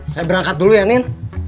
saya berangkat dulu ya nin